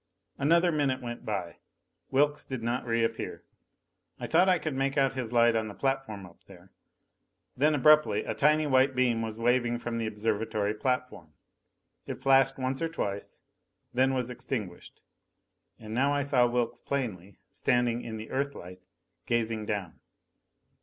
Another minute went by. Wilks did not reappear. I thought I could make out his light on the platform up there. Then abruptly a tiny white beam was waving from the observatory platform! It flashed once or twice, then was extinguished. And now I saw Wilks plainly, standing in the Earthlight, gazing down.